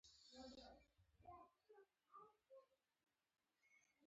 باد د کوترې الوت اسانوي